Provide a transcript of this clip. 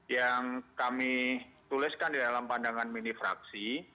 yang kami tuliskan di dalam pandangan mini fraksi